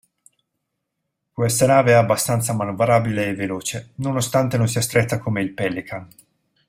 Questa nave è abbastanza manovrabile e veloce, nonostante non sia stretta come il Pelican.